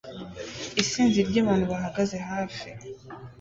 Isinzi ry'abantu bahagaze hafi